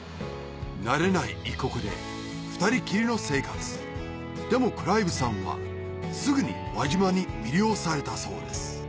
慣れない異国で二人きりの生活でもクライブさんはすぐに輪島に魅了されたそうです